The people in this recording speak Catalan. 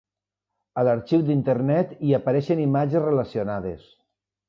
A l'arxiu d'Internet hi apareixen imatges relacionades.